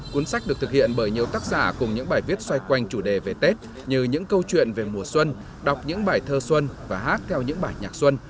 cuốn sách được thực hiện bởi nhiều tác giả cùng những bài viết xoay quanh chủ đề về tết như những câu chuyện về mùa xuân đọc những bài thơ xuân và hát theo những bài nhạc xuân